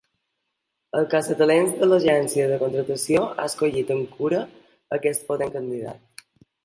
El caçatalents de l'agència de contractació ha escollit amb cura aquest potent candidat.